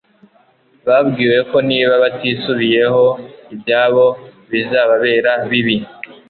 babwiwe ko niba batisubiyeho ibyabo bizababera bibi